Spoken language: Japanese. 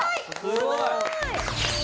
すごーい！